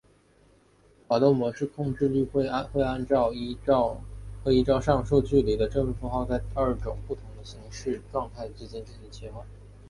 滑动模式控制律会依照上述距离的正负号在二种不同的状态之间进行切换。